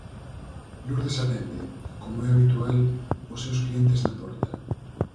Lurdes atende, como é habitual, os seus clientes na porta.